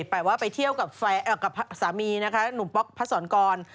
แปลว่าไปเที่ยวกับสามีป๊อกพระสรคร